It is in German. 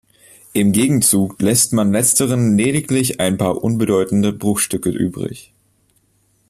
Im Gegenzug lässt man letzteren lediglich ein paar unbedeutende Bruchstücke übrig.